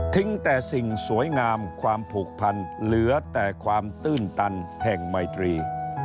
แต่สิ่งสวยงามความผูกพันเหลือแต่ความตื้นตันแห่งไมตรี